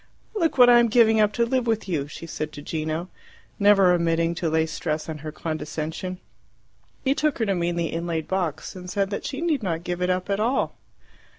"Look what I am giving up to live with you!" she said to Gino, never omitting to lay stress on her condescension. He took her to mean the inlaid box, and said that she need not give it up at all.